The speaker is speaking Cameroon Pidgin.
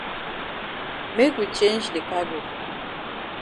Make we change de cargo.